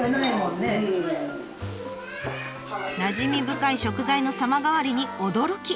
なじみ深い食材の様変わりに驚き。